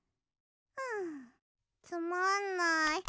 んつまんない。